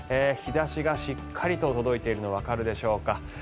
日差しがしっかりと届いているのわかるでしょうか。